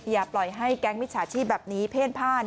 อย่าปล่อยให้แก๊งมิจฉาชีพแบบนี้เพ่นผ้าน